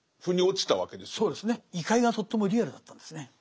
異界がとってもリアルだったんですね。